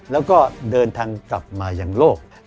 แล้วก็เดินทางกลับมาอย่างโลก